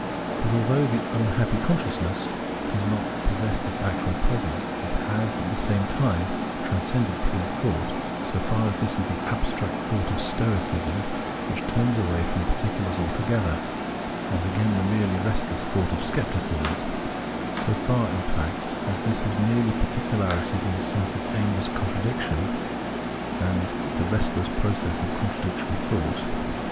But although the " unhappy consciousness " does not possess this actual presence, it has, at the same time, transcended pure thought, so far as this is the abstract thought of Stoicism, Avhich turns away from particulars altogether, and again the merely restless thought of Scepticism — so far, in fact, as this is merely particu larity in the sense of aimless contradiction and the restless process of contradictory thought.